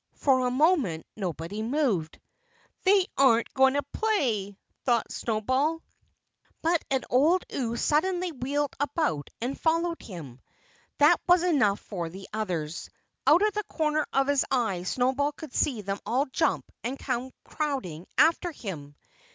For a moment nobody moved. "They aren't going to play!" thought Snowball. But an old ewe suddenly wheeled about and followed him. That was enough for the others. Out of the corner of his eye Snowball could see them all jump and come crowding after him.